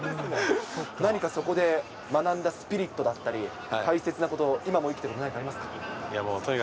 何かそこで、学んだスピリットだったり、大切なこと、今も生きてること、何かありましたか？